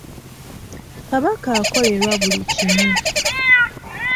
Kabaka akolerwa buli kimu.